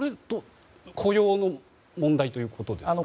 雇用の問題ということですか。